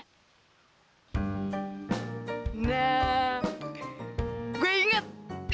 nah gue inget